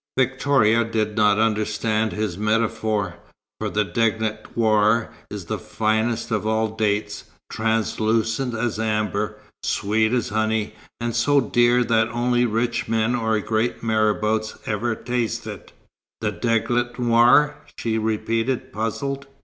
Victoria did not understand his metaphor, for the deglet nour is the finest of all dates, translucent as amber, sweet as honey, and so dear that only rich men or great marabouts ever taste it. "The deglet nour?" she repeated, puzzled.